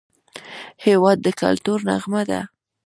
هېواد د کلتور نغمه ده.